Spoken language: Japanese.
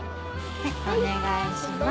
お願いします。